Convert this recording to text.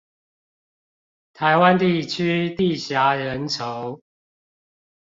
台灣地區地狹人稠